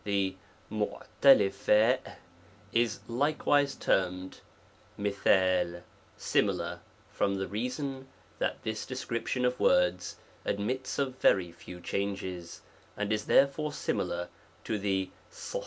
The U jix* is likewise termed $&A similar, from the reason, that this description ^ of words admits of very few changes, and is there ^+*+ fore similar to the /?